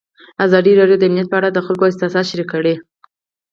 ازادي راډیو د امنیت په اړه د خلکو احساسات شریک کړي.